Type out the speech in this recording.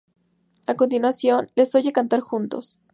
A continuación, les oye cantar juntos.